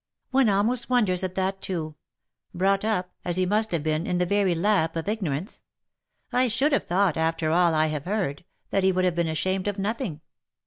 " One almost wonders at that too ; brought up, as he must have been, in the very lap of ignorance. I should have thought, after all I have heard, that he would have been ashamed of nothing.